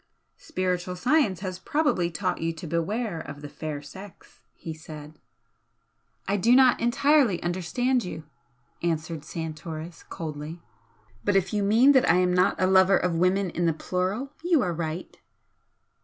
"Spiritual science has probably taught you to beware of the fair sex" he said. "I do not entirely understand you" answered Santoris, coldly "But if you mean that I am not a lover of women in the plural you are right."